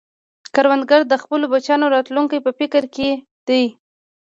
کروندګر د خپلو بچیانو راتلونکې په فکر کې دی